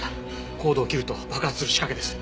コードを切ると爆発する仕掛けです。